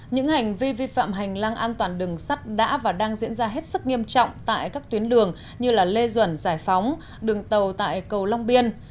những hành vi vi phạm hành lang an toàn đường sắt đã và đang diễn ra hết sức nghiêm trọng tại các tuyến đường như lê duẩn giải phóng đường tàu tại cầu long biên